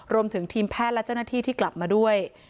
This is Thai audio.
รวมถึงทีมแพทย์และเจ้าหน้าที่ที่กลับมาด้วย